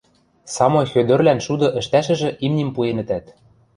Самой Хӧдӧрлӓн шуды ӹштӓшӹжӹ имним пуэнӹтӓт